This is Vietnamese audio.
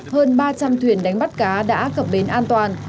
hơn ba trăm linh thuyền đánh bắt cá đã cập bến an toàn